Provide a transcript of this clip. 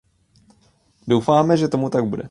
Doufáme, že tomu tak bude.